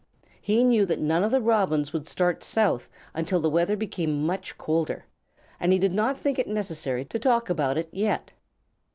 He knew that none of the Robins would start South until the weather became much colder, and he did not think it necessary to talk about it yet.